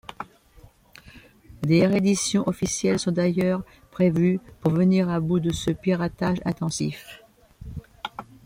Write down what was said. Des rééditions officielles sont d'ailleurs prévues pour venir à bout de ce piratage intensif.